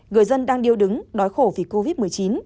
người dân đang điêu đứng đói khổ vì covid một mươi chín